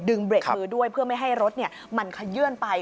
เบรกมือด้วยเพื่อไม่ให้รถมันขยื่นไป